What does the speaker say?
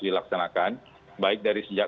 dilaksanakan baik dari sejak